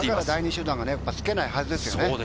第２集団がつけないはずです。